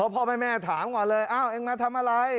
พ่อแม่ถามก่อนเลยอ้าวเองมาทำอะไร